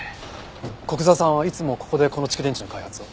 古久沢さんはいつもここでこの蓄電池の開発を？